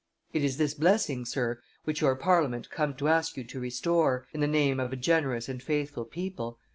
It is this blessing, Sir, which your Parliament come to ask you to restore, in the name of a generous and faithful people.